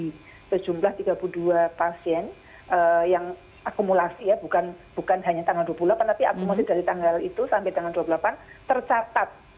jadi jumlah tiga puluh dua pasien yang akumulasi ya bukan hanya tanggal dua puluh delapan tapi akumulasi dari tanggal itu sampai tanggal dua puluh delapan tercatat